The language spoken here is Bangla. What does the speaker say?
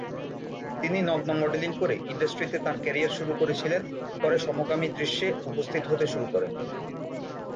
তিনি নগ্ন মডেলিং করে ইন্ডাস্ট্রিতে তাঁর ক্যারিয়ার শুরু করেছিলেন, পরে সমকামী দৃশ্যে উপস্থিত হতে শুরু করেন।